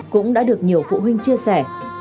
cũng đã được nhiều phụ huynh chia sẻ